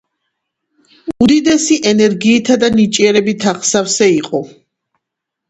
უდიდესი ენერგიითა და ნიჭიერებით აღსავსე იყო.